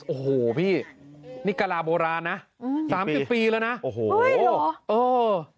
โอ้โหพี่นี่กะลาโบราณนะอืมสามสิบปีแล้วนะโอ้โหเออ